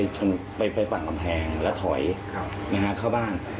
ถูกนักเลยก็ยินดีครับ